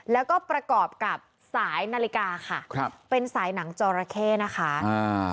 แล้วก็ประกอบกับสายนาฬิกาค่ะครับเป็นสายหนังจอราเข้นะคะอ่า